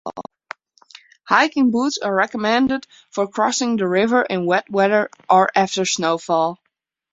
Hiking boots are recommended for crossing the river in wet weather or after snowfall.